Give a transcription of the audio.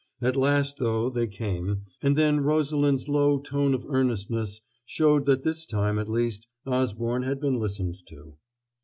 At last, though, they came, and then Rosalind's low tone of earnestness showed that this time, at least, Osborne had been listened to.